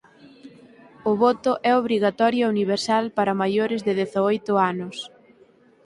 O voto é obrigatorio e universal para maiores de dezaoito anos.